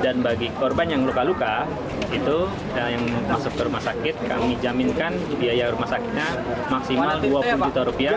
dan bagi korban yang luka luka itu yang masuk ke rumah sakit kami jaminkan biaya rumah sakitnya maksimal dua puluh juta rupiah